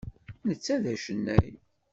Netta d acennay.